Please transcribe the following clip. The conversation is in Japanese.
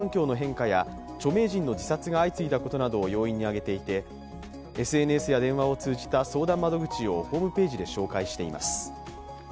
厚生労働省は、コロナによる職場環境の変化や著名人の自殺が相次いだことなどを要因に挙げていてＳＮＳや電話を通じた相談窓口をホームページで紹介しています。